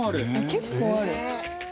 結構ある。